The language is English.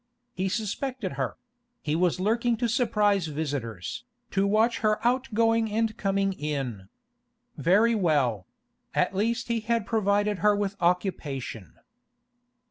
He suspected her; he was lurking to surprise visitors, to watch her outgoing and coming in. Very well; at least he had provided her with occupation.